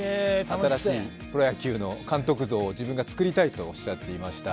新しいプロ野球の監督像を自分がつくりたいとおっしゃっていました。